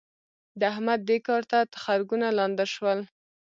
د احمد؛ دې کار ته تخرګونه لانده شول.